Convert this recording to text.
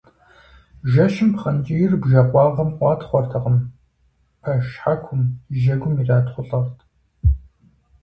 Жэщым пхъэнкӀийр бжэкъуагъым къуатхъуэртэкъым пэшхьэкум, жьэгум иратхъулӀэрт.